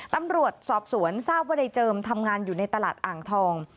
ตำรวจสอบสวนทราบว่าในเจิมทำงานอยู่ในตลาดอ่างทอง